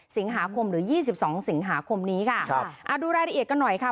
สิงหาคมหรือยี่สิบสองสิงหาคมนี้ค่ะครับอ่าดูรายละเอียดกันหน่อยค่ะ